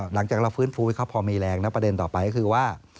หลังจากเราฟื้นฟูให้เขาพอมีแรงนะประเด็นต่อไปก็คือว่า